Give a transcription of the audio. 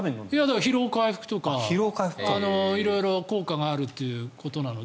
だから、疲労回復とか色々効果があるということなので。